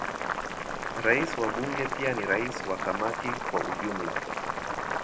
Rais wa Bunge pia ni rais wa Kamati kwa ujumla.